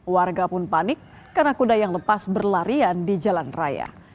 warga pun panik karena kuda yang lepas berlarian di jalan raya